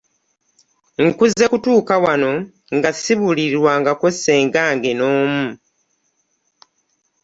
Nkuze kutuuka wano nga sibuliririrwangako ssenga nze n'omu.